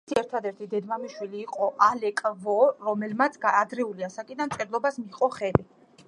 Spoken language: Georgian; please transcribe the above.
მისი ერთადერთი დედმამიშვილი იყო ალეკ ვო, რომელმაც ადრეული ასაკიდან მწერლობას მიჰყო ხელი.